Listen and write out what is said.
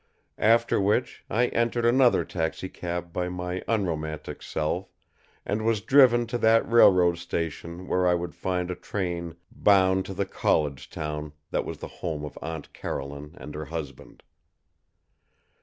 After which, I entered another taxicab by my unromantic self and was driven to that railroad station where I would find a train bound to the college town that was the home of Aunt Caroline and her husband.